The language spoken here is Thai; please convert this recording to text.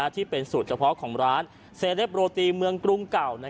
ที่เป็นสูตรเฉพาะของร้านเซเลปโรตีเมืองกรุงเก่า